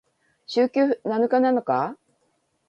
週休七日なのか？